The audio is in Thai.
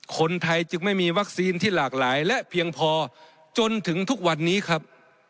คนไทยจึงไม่มีวัคซีนที่หลากหลายและเพียงพอจนถึงทุกวันนี้ครับ